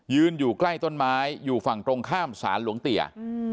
อยู่ใกล้ต้นไม้อยู่ฝั่งตรงข้ามศาลหลวงเตี๋ย